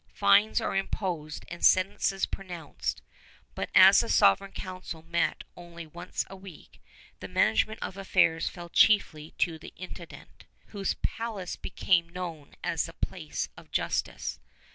Fines are imposed and sentences pronounced; but as the Sovereign Council met only once a week, the management of affairs fell chiefly to the Intendant, whose palace became known as the Place of Justice.